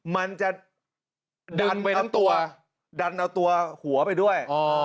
มันจะดันเอาตัวหัวไปด้วย